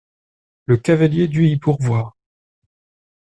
Le cavalier dut y pourvoir.